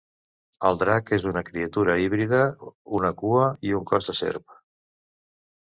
El drac és una criatura híbrida: una cua i un cos de serp.